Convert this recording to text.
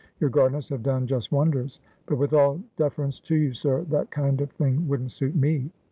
Your gardeners have done just wonders. But with all deference to you, sir, that kind of thing wouldn't suit me.